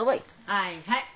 はいはい。